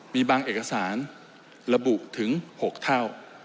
มีบางเอกสารระบุถึง๖เท่า